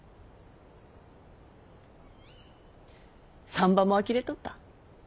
産婆もあきれておった。